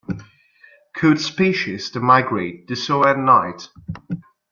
Coot species that migrate do so at night.